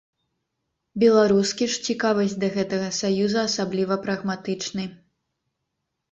Беларускі ж цікавасць да гэтага саюза асабліва прагматычны.